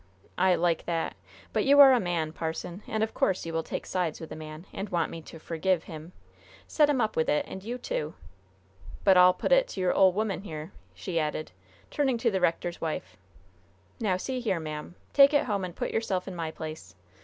I like that; but you are a man, parson, and of course you will take sides with a man, and want me to 'forgive' him. Set him up with it, and you, too! But I'll put it to your ole 'oman here," she added, turning to the rector's wife. "Now see here, ma'am. Take it home, and put yourself in my place.